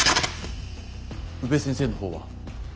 宇部先生の方は？